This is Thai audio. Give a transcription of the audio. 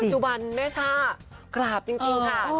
แล้วปัจจุบันแม่ชากราบจริงค่ะ